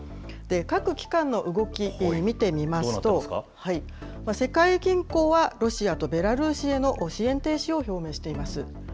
各機関の動き、見てみますと、世界銀行はロシアとベラルーシへの支援停止を表明しています。